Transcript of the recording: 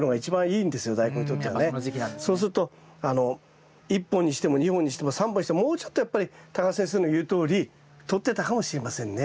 そうすると１本にしても２本にしても３本にしてももうちょっとやっぱり畑先生の言うとおり太ってたかもしれませんねやっぱりね。